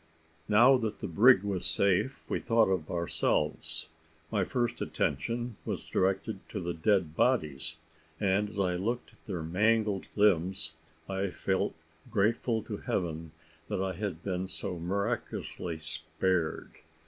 Now that the brig was safe, we thought of ourselves. My first attention was directed to the dead bodies; and as I looked at their mangled limbs, I felt grateful to Heaven that I had been so miraculously spared.